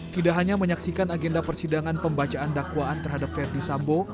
tidak hanya menyaksikan agenda persidangan pembacaan dakwaan terhadap verdi sambo